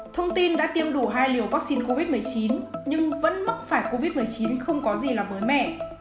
thông tin đã tiêm đủ hai liều vaccine covid một mươi chín nhưng vẫn mắc phải covid một mươi chín không có gì là mới mẻ